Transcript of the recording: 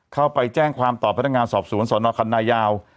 เข้าไปแจ้งความต่อพนักงานสอบสวนสนคันนายาว